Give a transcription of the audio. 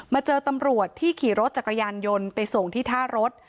เจอตำรวจที่ขี่รถจักรยานยนต์ไปส่งที่ท่ารถ